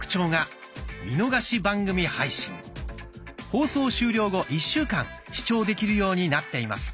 放送終了後１週間視聴できるようになっています。